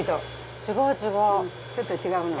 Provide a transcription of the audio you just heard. ちょっと違うの。